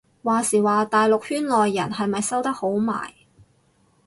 話時話大陸圈內人係咪收得好埋